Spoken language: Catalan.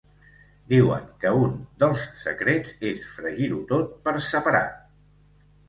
Diuen que un dels secrets és fregir-ho tot per separat.